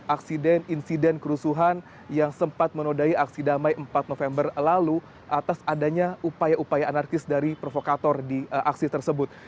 aksiden insiden kerusuhan yang sempat menodai aksi damai empat november lalu atas adanya upaya upaya anarkis dari provokator di aksi tersebut